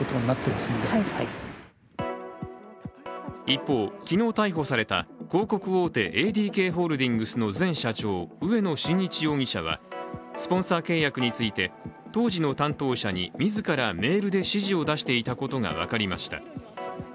一方、昨日逮捕された広告大手ＡＤＫホールディングスの前社長、植野伸一容疑者は、スポンサー契約について当時の担当者に自らメールで指示を出していたことが分かりました。